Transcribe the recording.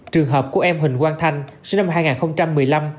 trường hợp của em huỳnh quang thanh sinh năm hai nghìn một mươi năm